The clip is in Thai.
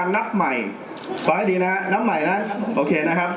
ตามข้อ๘๓